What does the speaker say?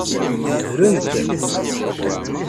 Zedrent.